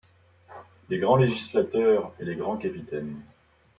Les grands législateurs et les grands capitaines, -